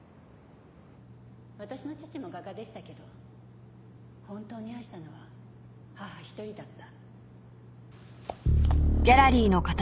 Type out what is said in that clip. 私の父も画家でしたけど本当に愛したのは母一人だった。